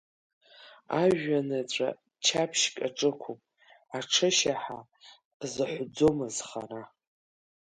Ажәҩан еҵәа ччаԥшьк аҿықәуп, аҽышьаҳа зыҳәӡом азхара.